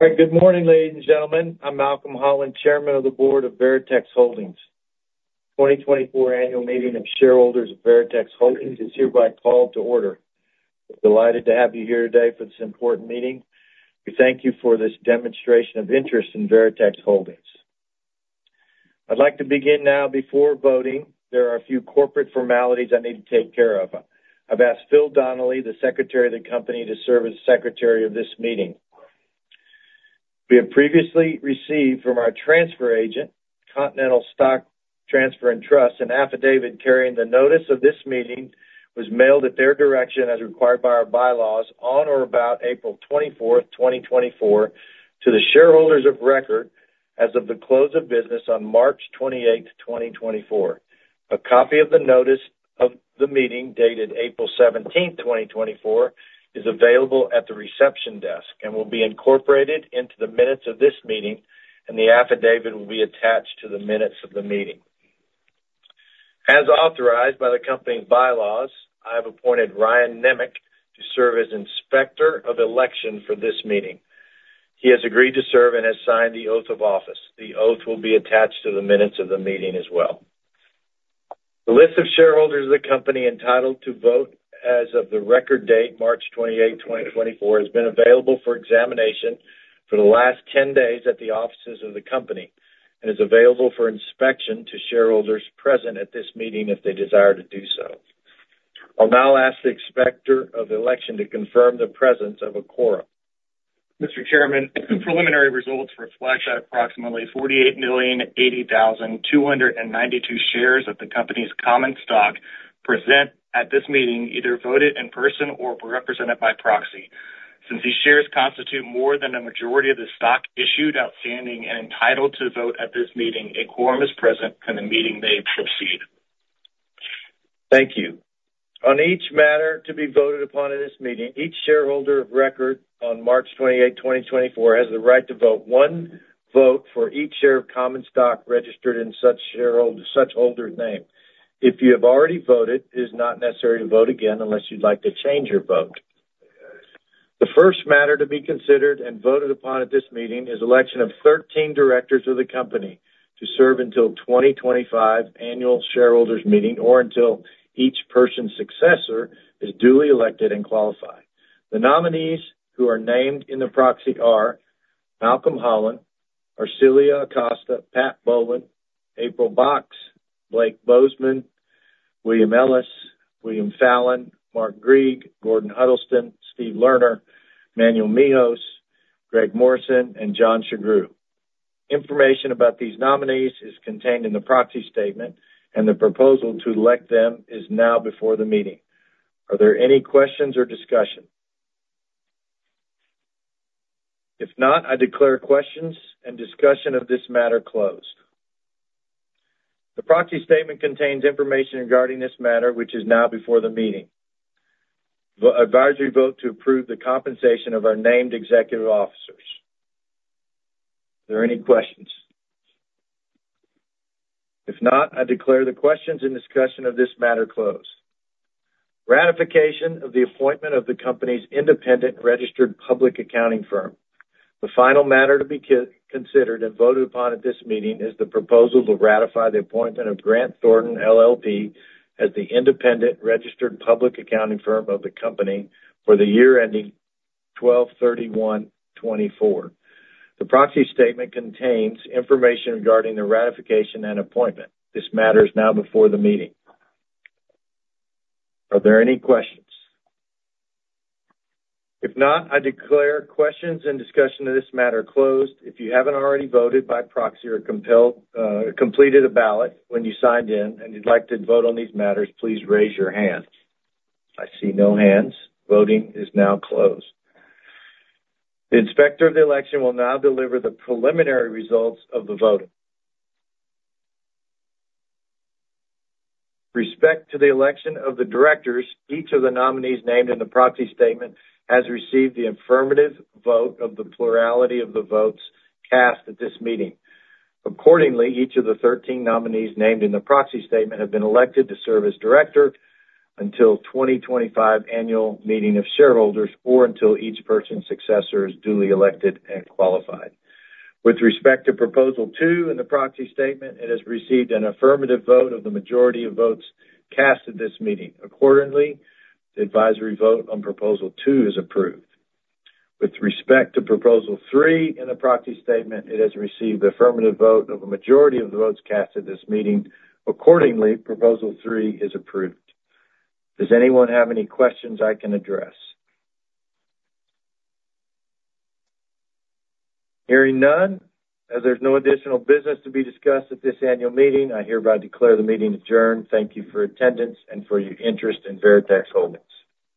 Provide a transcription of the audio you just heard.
All right. Good morning, ladies and gentlemen. I'm Malcolm Holland, Chairman of the Board of Veritex Holdings. The 2024 annual meeting of shareholders of Veritex Holdings is hereby called to order. Delighted to have you here today for this important meeting. We thank you for this demonstration of interest in Veritex Holdings. I'd like to begin now. Before voting, there are a few corporate formalities I need to take care of. I've asked Phil Donnelly, the Secretary of the Company, to serve as Secretary of this meeting. We have previously received from our transfer agent, Continental Stock Transfer and Trust, an affidavit carrying the notice of this meeting was mailed at their direction as required by our bylaws on or about April 24th, 2024, to the shareholders of record as of the close of business on March 28th, 2024. A copy of the notice of the meeting dated April 17th, 2024, is available at the reception desk and will be incorporated into the minutes of this meeting, and the affidavit will be attached to the minutes of the meeting. As authorized by the company's bylaws, I have appointed Ryan Nemec to serve as Inspector of Election for this meeting. He has agreed to serve and has signed the oath of office. The oath will be attached to the minutes of the meeting as well. The list of shareholders of the company entitled to vote as of the record date, March 28th, 2024, has been available for examination for the last 10 days at the offices of the company and is available for inspection to shareholders present at this meeting if they desire to do so. I'll now ask the Inspector of Election to confirm the presence of a quorum. Mr. Chairman, preliminary results reflect that approximately 48,080,292 shares of the company's common stock present at this meeting either voted in person or were represented by proxy. Since these shares constitute more than a majority of the stock issued, outstanding, and entitled to vote at this meeting, a quorum is present and the meeting may proceed. Thank you. On each matter to be voted upon at this meeting, each shareholder of record on March 28th, 2024, has the right to vote one vote for each share of common stock registered in such holder's name. If you have already voted, it is not necessary to vote again unless you'd like to change your vote. The first matter to be considered and voted upon at this meeting is election of 13 directors of the company to serve until 2025 annual shareholders' meeting or until each person's successor is duly elected and qualified. The nominees who are named in the proxy are Malcolm Holland, Arcilia Acosta, Pat Bolin, April Box, Blake Bozman, William Ellis, William Fallon, Mark Griege, Gordon Huddleston, Steve Lerner, Manuel Mehos, Greg Morrison, and John Sughrue. Information about these nominees is contained in the proxy statement, and the proposal to elect them is now before the meeting. Are there any questions or discussion? If not, I declare questions and discussion of this matter closed. The proxy statement contains information regarding this matter, which is now before the meeting. Advisory vote to approve the compensation of our named executive officers. Are there any questions? If not, I declare the questions and discussion of this matter closed. Ratification of the appointment of the company's independent registered public accounting firm. The final matter to be considered and voted upon at this meeting is the proposal to ratify the appointment of Grant Thornton LLP, as the independent registered public accounting firm of the company for the year ending 12/31/2024. The proxy statement contains information regarding the ratification and appointment. This matter is now before the meeting. Are there any questions? If not, I declare questions and discussion of this matter closed. If you haven't already voted by proxy or completed a ballot when you signed in and you'd like to vote on these matters, please raise your hand. I see no hands. Voting is now closed. The Inspector of Election will now deliver the preliminary results of the voting. With respect to the election of the directors, each of the nominees named in the proxy statement has received the affirmative vote of the plurality of the votes cast at this meeting. Accordingly, each of the 13 nominees named in the proxy statement have been elected to serve as director until 2025 annual meeting of shareholders or until each person's successor is duly elected and qualified. With respect to proposal two in the proxy statement, it has received an affirmative vote of the majority of votes cast at this meeting. Accordingly, the advisory vote on Proposal Two is approved. With respect to Proposal Three in the Proxy Statement, it has received the affirmative vote of a majority of the votes cast at this meeting. Accordingly, Proposal Three is approved. Does anyone have any questions I can address? Hearing none, as there's no additional business to be discussed at this annual meeting, I hereby declare the meeting adjourned. Thank you for attendance and for your interest in Veritex Holdings.